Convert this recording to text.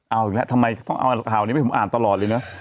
เอาอีกแล้วทำไมต้องเอาข่าวนี้ให้ผมอ่านตลอดเลยนะ